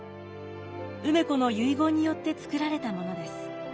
梅子の遺言によって造られたものです。